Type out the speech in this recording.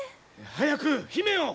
早く姫を！